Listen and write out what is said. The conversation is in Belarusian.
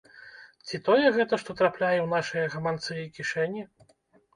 Ці тое гэта, што трапляе ў нашыя гаманцы і кішэні?